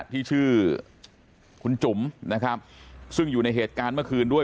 ที่ชื่อคุณจุ๋มนะครับซึ่งอยู่ในเหตุการณ์เมื่อคืนด้วย